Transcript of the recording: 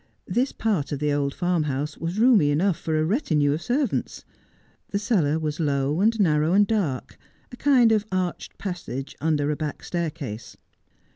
This part of the old farmhouse was roomy enough for a retinue of servants. The cellar was low and narrow and dark, a kind of arched passage under a back staircase.